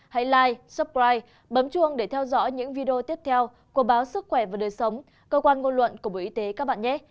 hay live suppride bấm chuông để theo dõi những video tiếp theo của báo sức khỏe và đời sống cơ quan ngôn luận của bộ y tế các bạn nhé